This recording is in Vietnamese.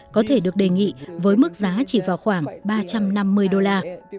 có thể được đề nghị với mức giá chỉ vào khoảng ba trăm năm mươi đô la